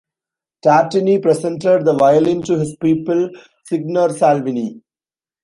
Tartini presented the violin to his pupil, Signor Salvini.